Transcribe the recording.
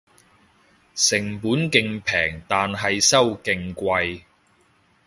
成本勁平但係收勁貴